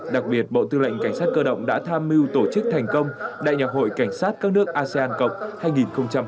đặc biệt bộ tư lệnh cảnh sát cơ động đã tham mưu tổ chức thành công đại nhạc hội cảnh sát các nước asean cộng hai nghìn hai mươi